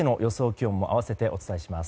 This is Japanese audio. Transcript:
気温も併せてお伝えします。